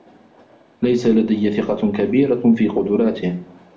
ليس لدي ثقة كبيرة في قدراته.